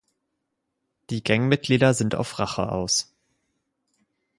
Die Gangmitglieder sind auf Rache aus.